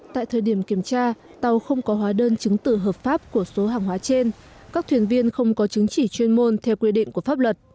tại thời điểm kiểm tra tàu không có hóa đơn chứng tử hợp pháp của số hàng hóa trên các thuyền viên không có chứng chỉ chuyên môn theo quy định của pháp luật